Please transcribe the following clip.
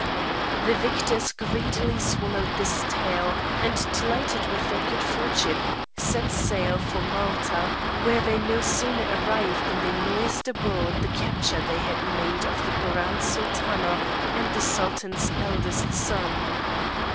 The victors greedily swallowed this tale, and, delighted with their good fortune, set sail for Malta, where they no sooner arrived than they noised abroad the capture they had made of the Grand Sultana and the Sultan's eldest son.